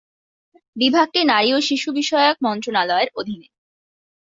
বিভাগটি নারী ও শিশু বিষয়ক মন্ত্রণালয়ের অধীনে।